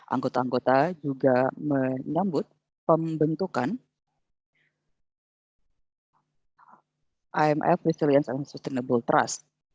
anggota anggota juga menyambut pembentukan imf resilience and sustainable trust